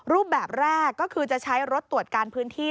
รูปแบบแรกก็คือจะใช้รถตรวจการพื้นที่